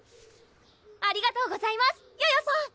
ありがとうございますヨヨさん！